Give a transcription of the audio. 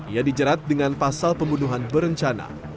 ia dijerat dengan pasal pembunuhan berencana